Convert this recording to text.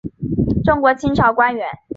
中国清朝官员。